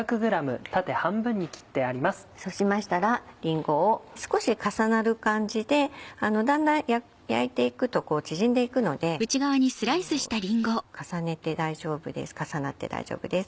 そうしましたらりんごを少し重なる感じでだんだん焼いていくと縮んでいくので重ねて大丈夫です重なって大丈夫です。